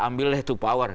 ambil deh tuh power